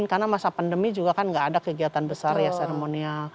karena masa pandemi juga kan nggak ada kegiatan besar ya seremonial